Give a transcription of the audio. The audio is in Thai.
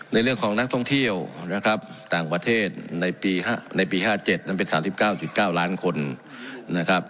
ในเรื่องของนักท่องเที่ยวนะครับต่างประเทศในปี๕๗นั้นเป็น๓๙๙ล้านคนนะครับ